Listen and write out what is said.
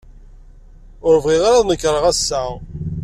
Ur bɣiɣ ara ad nekreɣ ass-a.